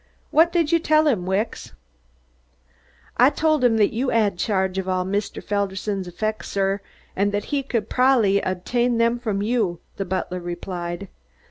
"What did you tell him, Wicks?" "I told 'im that you had charge of all Mr. Felderson's effects, sir, and that he could probably obtain them from you," the butler replied.